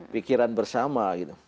pikiran bersama gitu